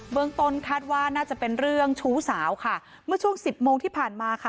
เมืองต้นคาดว่าน่าจะเป็นเรื่องชู้สาวค่ะเมื่อช่วงสิบโมงที่ผ่านมาค่ะ